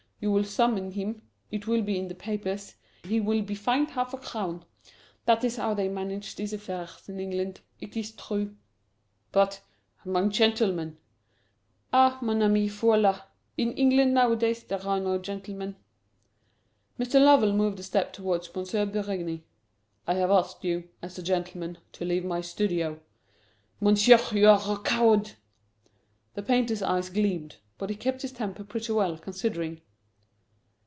You will summon him it will be in the papers he will be fined half a crown! That is how they manage these affairs in England. It is true!" "But among gentlemen!" "Ah, mon ami, voila! In England, nowadays, there are no gentlemen!" Mr. Lovell moved a step towards M. Berigny. "I have asked you, as a gentleman, to leave my studio." "Monsieur, you are a coward!" The painter's eyes gleamed. But he kept his temper pretty well, considering.